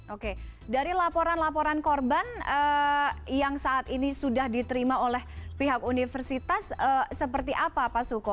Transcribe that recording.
oke dari laporan laporan korban yang saat ini sudah diterima oleh pihak universitas seperti apa pak suko